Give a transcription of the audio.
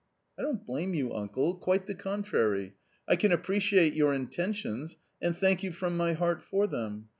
" "I don't blame you, uncle, quite the contrary. I can appreciate your intentions, and thank you from my heart for them.